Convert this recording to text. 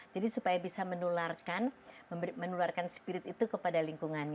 jadi supaya bisa menularkan spirit itu kepada lingkungannya